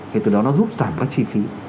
thì từ đó nó giúp giảm các chi phí